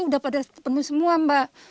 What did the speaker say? udah pada penuh semua mbak